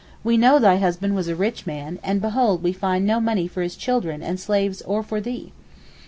we know thy husband was a rich man and behold we find no money for his children and slaves or for thee."